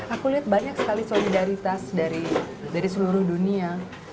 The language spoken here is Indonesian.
aku lihat banyak sekali solidaritas dari seluruh dunia